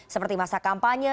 seperti masa kampanye